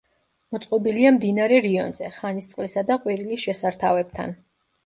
მოწყობილია მდინარე რიონზე, ხანისწყლისა და ყვირილის შესართავებთან.